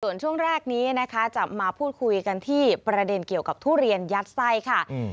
ส่วนช่วงแรกนี้นะคะจะมาพูดคุยกันที่ประเด็นเกี่ยวกับทุเรียนยัดไส้ค่ะ